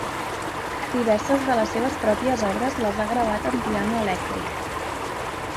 Diverses de les seves pròpies obres les ha gravat amb piano elèctric.